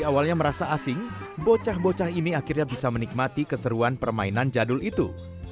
awalnya merasa asing bocah bocah ini akhirnya bisa menikmati keseruan permainan jadul itu